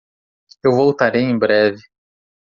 Eu voltarei em breve.